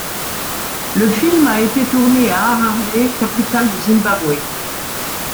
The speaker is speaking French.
Le film a été tourné à Harare, capitale du Zimbabwe.